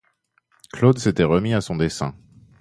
Claude s'était remis à son dessin.